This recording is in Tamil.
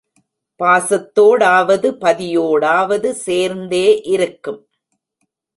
பாசத்தோடாவது பதியோடாவது சேர்ந்தே இருக்கும்.